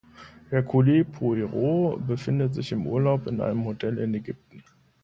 Hercule Poirot befindet sich im Urlaub in einem Hotel in Ägypten.